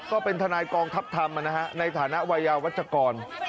ก็เป็นทนายกองทัพธรรมในฐานะวัยยาวัชกร